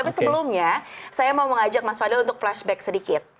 tapi sebelumnya saya mau mengajak mas fadil untuk flashback sedikit